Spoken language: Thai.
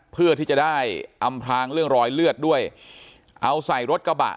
เพื่อที่จะได้อำพลางเรื่องรอยเลือดด้วยเอาใส่รถกระบะ